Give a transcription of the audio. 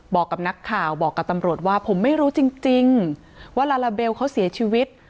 บอกกับนักข่าวบอกกับตำรวจว่าผมไม่รู้จริงว่าลาลาเบลเขาเสียชีวิต